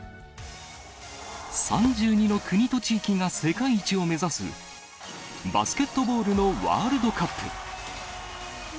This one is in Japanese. ３２の国と地域が世界一を目指すバスケットボールのワールドカップ。